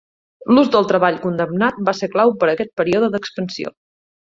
L'ús del treball condemnat va ser clau per a aquest període d'expansió.